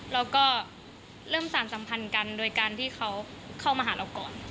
เราก็เริ่มสารสัมพันธ์กันโดยการที่เขาเข้ามาหาเราก่อน